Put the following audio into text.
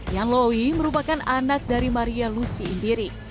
yanloi merupakan anak dari maria lucy sendiri